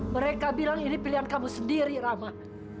mereka bilang ini pilihan kamu sendiri ramah